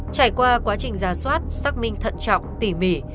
trải qua quá trình ra soát xác minh thận trọng tỉ mỉ